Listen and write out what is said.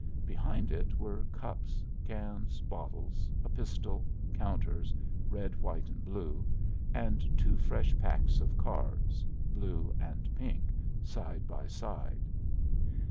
Behind it were cups, cans, bottles, a pistol, counters, red, white, and blue, and two fresh packs of cards, blue and pink, side by side.